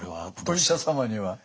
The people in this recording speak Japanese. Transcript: お医者様には。